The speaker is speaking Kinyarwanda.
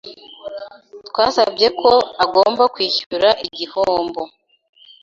Twasabye ko agomba kwishyura igihombo.